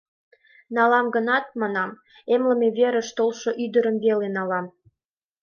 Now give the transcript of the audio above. — Налам гынат, — манам, — эмлыме верыш толшо ӱдырым веле налам.